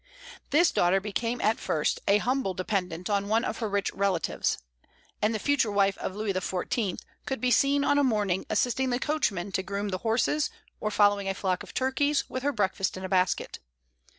This daughter became at first a humble dependent on one of her rich relatives; and "the future wife of Louis XIV. could be seen on a morning assisting the coachmen to groom the horses, or following a flock of turkeys, with her breakfast in a basket."